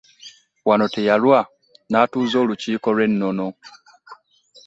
Wano teyalwa n'atuuza olukiiko lw'ennono.